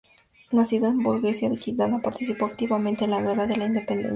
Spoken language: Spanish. Nacido en la burguesía gaditana, participó activamente en la Guerra de la Independencia.